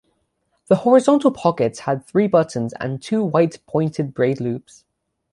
The horizontal pockets had three buttons and two white pointed braid loops.